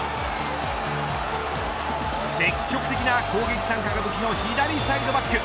積極的な攻撃参加が武器の左サイドバック。